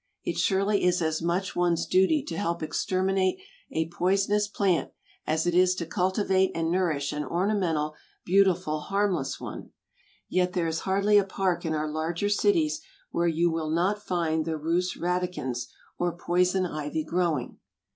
It surely is as much one's duty to help exterminate a poisonous plant as it is to cultivate and nourish an ornamental, beautiful, harmless one. Yet there is hardly a park in our larger cities where you will not find the Rhus radicans or poison ivy growing.